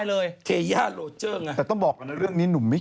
กระเทยเก่งกว่าเออแสดงความเป็นเจ้าข้าว